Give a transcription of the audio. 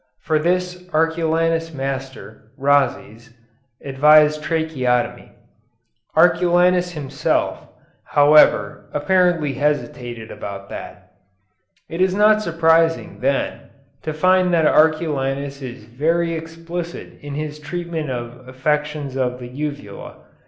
For this Arculanus' master, Rhazes, advised tracheotomy. Arculanus himself, however, apparently hesitated about that. It is not surprising, then, to find that Arculanus is very explicit in his treatment of affections of the uvula.